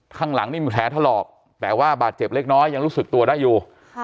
ข้างหลังนี่มีแผลถลอกแต่ว่าบาดเจ็บเล็กน้อยยังรู้สึกตัวได้อยู่